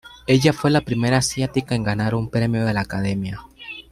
Ella fue la primera asiática en ganar un premio de la academia.